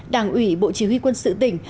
đảng ủy bộ chỉ huy quân sự tỉnh